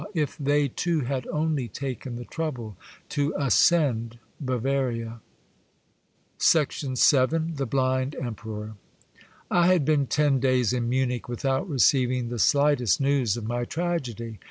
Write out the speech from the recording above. if they too had only taken the trouble to ascend Bavaria. VII. THE BLIND EMPEROR. I HAD been ten days in Munich without receiv ing the slightest news of my tragedy.